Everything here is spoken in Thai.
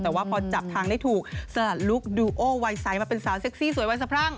แต่ว่าพอจับทางได้ถูกสลัดลุคดูโอไวไซดมาเป็นสาวเซ็กซี่สวยวัยสะพรั่ง